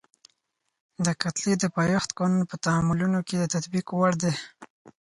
د کتلې د پایښت قانون په تعاملونو کې د تطبیق وړ دی.